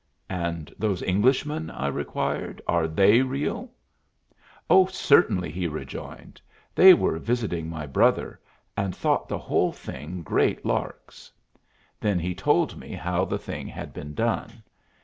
"And those Englishmen," I inquired, "are they real?" "Oh, certainly," he rejoined. "They were visiting my brother, and thought the whole thing great larks." Then he told me how the thing had been done.